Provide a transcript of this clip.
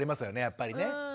やっぱりね。